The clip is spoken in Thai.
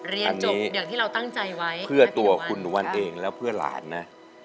เรียนจบอย่างที่เราตั้งใจไว้พี่หนุวัลนะครับอันนี้เพื่อตัวคุณหนุวัลเองแล้วเพื่อหลานนะ